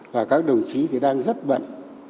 và các đồng chí thì đang rất bận